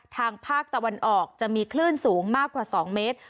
ทางภาคตะวันออกจะมีคลื่นสูงมากกว่า๒เมตร